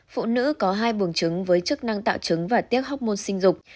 phụ nữ có hai buồn trứng với chức năng tạo trứng và tiết học môn sinh dục